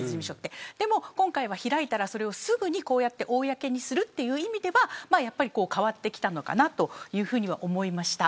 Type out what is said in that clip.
でも、今回は開いたらそれをすぐにこうやって公にするという意味では変わってきたのかなというふうには思いました。